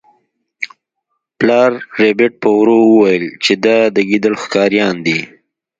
پلار ربیټ په ورو وویل چې دا د ګیدړ ښکاریان دي